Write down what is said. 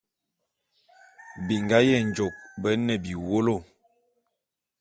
Bingá Yenjôk bé ne biwólo.